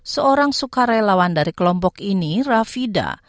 seorang sukarelawan dari kelompok ini rafida